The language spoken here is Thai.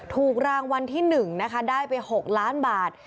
ถูกรางวัลที่๑นะคะได้ไป๖ล้านบาท